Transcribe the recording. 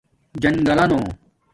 جنگلہ نو